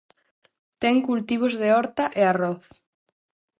Ten cultivos de horta e arroz.